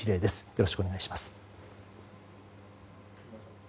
よろしくお願いします。